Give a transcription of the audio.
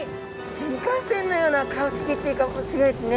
新幹線のような顔つきっていうかすギョいですね。